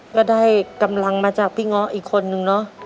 ก็ได้กำลังมาจากพี่ง้ออีกคนนึงเนอะ